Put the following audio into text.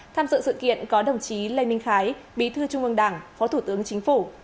tham dự sự kiện có đồng chí lê minh khái bí thư trung ương đảng phó thủ tướng chính phủ